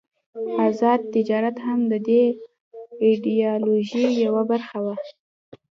آزاد تجارت هم د دې ایډیالوژۍ یوه برخه وه.